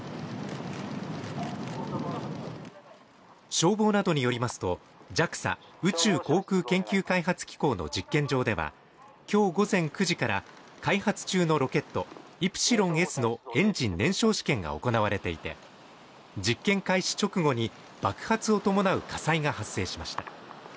消防などによりますと、ＪＡＸＡ＝宇宙航空研究開発機構の実験場では今日午前９時から、開発中のロケットイプシロンＳのエンジン燃焼試験が行われていて、実験開始直後に爆発を伴う火災が発生しました。